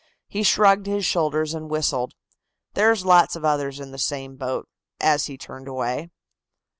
He shrugged his shoulders and whistled. "There's lots of others in the same boat," as he turned away.